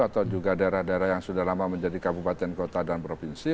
atau juga daerah daerah yang sudah lama menjadi kabupaten kota dan provinsi